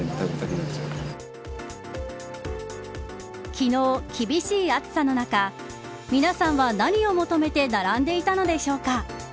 昨日、厳しい暑さの中皆さんは何を求めて並んでいたのでしょうか。